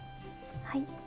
はい。